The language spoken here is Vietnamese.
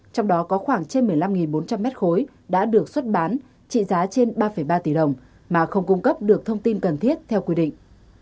trong đó có khoảng trên một mươi năm bốn trăm linh mét khối đã được xuất bán trị giá trên ba ba tỷ đồng mà không cung cấp được thông tin cần thiết theo quy định